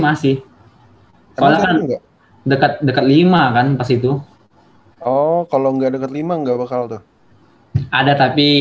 masih padahal kan dekat dekat lima kan pas itu oh kalau enggak dekat lima enggak bakal tuh ada tapi